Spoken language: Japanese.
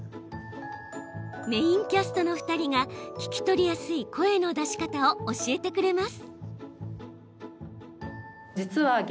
メインキャストの２人が聞き取りやすい声の出し方を教えてくれます。